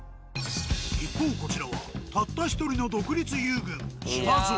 一方こちらはたった１人の独立遊軍しまぞう。